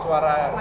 suara ini belum